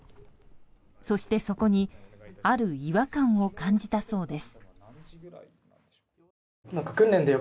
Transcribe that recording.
そしてそこにある違和感を感じたそうです。